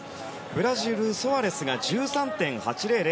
ブラジルソアレスが１３．８００。